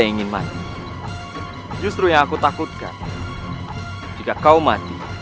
ini mulut kita sendiri